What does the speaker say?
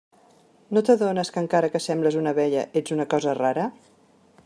No t'adones que encara que sembles una abella, ets una «cosa rara»?